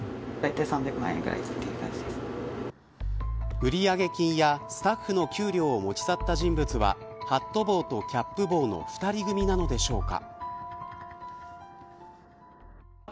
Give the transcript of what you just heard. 売上金やスタッフの給料を持ち去った人物はハット帽とキャップ帽の２人組なのでしょうか。